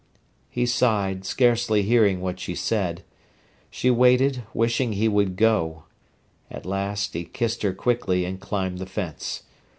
He sighed, scarcely hearing what she said. She waited, wishing he would go. At last he kissed her quickly and climbed the fence.